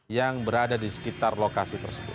yang berada di sekitar lokasi tersebut